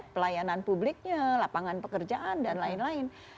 pelayanan publiknya lapangan pekerjaan dan lain lain